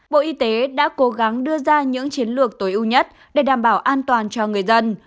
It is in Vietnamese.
bộ y tế đã cố gắng đưa ra những chiến lược tối ưu nhất để đảm bảo an toàn cho người dân